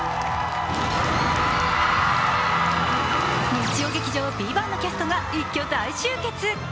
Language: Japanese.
日曜劇場「ＶＩＶＡＮＴ」のキャストが一挙大集結。